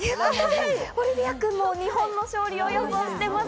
オリビアくんも日本の勝利を予想してます。